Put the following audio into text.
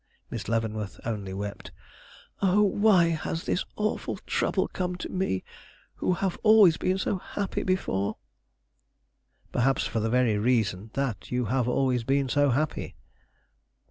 Mary Leavenworth only wept. "Oh, why has this awful trouble come to me, who have always been so happy before!" "Perhaps for the very reason that you have always been so happy."